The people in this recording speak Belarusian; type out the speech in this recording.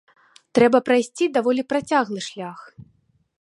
Трэба прайсці даволі працяглы шлях.